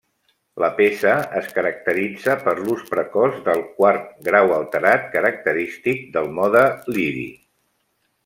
La peça es caracteritza per l'ús precoç del quart grau alterat característic del mode lidi.